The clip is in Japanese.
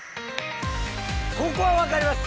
ここはわかります